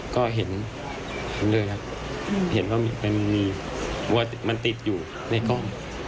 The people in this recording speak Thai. ก็เห็นเลยครับเห็นว่ามันมีวัวมันติดอยู่ในกล้อง